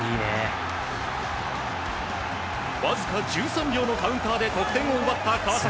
わずか１３秒のカウンターで得点を奪った川崎。